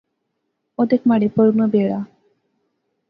او دیکھ مہاڑے پرھو نا بیڑا